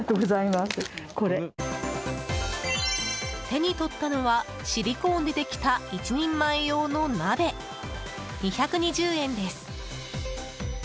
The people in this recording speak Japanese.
手に取ったのはシリコーンでできた１人前用の鍋、２２０円です。